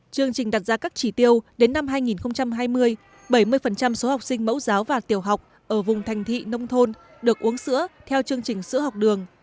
chương trình đặt ra các chỉ tiêu đến năm hai nghìn hai mươi bảy mươi số học sinh mẫu giáo và tiểu học ở vùng thành thị nông thôn được uống sữa theo chương trình sữa học đường